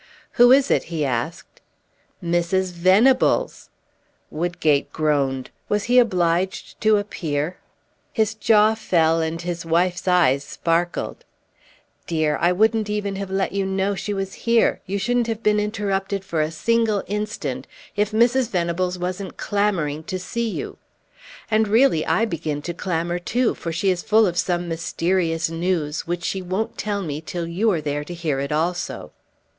"Who is it?" he asked. "Mrs. Venables!" Woodgate groaned. Was he obliged to appear? His jaw fell, and his wife's eyes sparkled. "Dear, I wouldn't even have let you know she was here you shouldn't have been interrupted for a single instant if Mrs. Venables wasn't clamoring to see you. And really I begin to clamor too; for she is full of some mysterious news, which she won't tell me till you are there to hear it also.